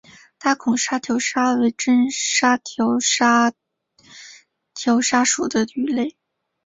大孔沙条鲨为真鲨科沙条鲨属的鱼类。